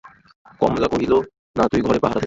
কমলা কহিল, না, তুই ঘরে পাহারা দে।